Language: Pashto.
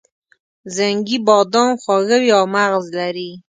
زنګي بادام خواږه وي او مغز لري.